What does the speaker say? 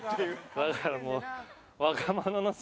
だからもう。